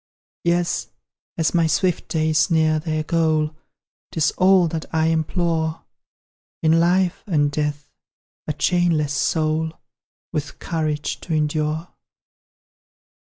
Yes, as my swift days near their goal: 'Tis all that I implore; In life and death a chainless soul, With courage to endure.